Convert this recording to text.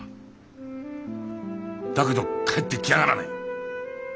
だけど帰ってきやがらねえ。